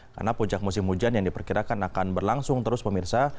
karena puncak musim hujan yang diperkirakan akan berlangsung terus pemirsa